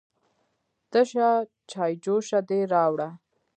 _تشه چايجوشه دې راوړه؟